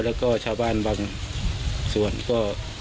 แล้วก็ชาวบ้านบางส่วนก็